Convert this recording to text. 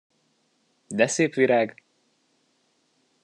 De szép virág!